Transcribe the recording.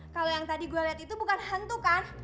kalau yang tadi gue lihat itu bukan hantu kan